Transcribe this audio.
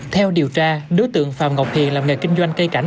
theo điều tra đối tượng phạm ngọc hiền làm nghề kinh doanh cây cảnh